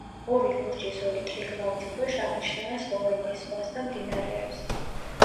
ორი ლურჯი ზოლი ტრიგლავის ქვეშ აღნიშნავენ სლოვენიის ზღვას და მდინარეებს.